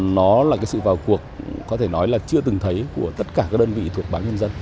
nó là cái sự vào cuộc có thể nói là chưa từng thấy của tất cả các đơn vị thuộc báo nhân dân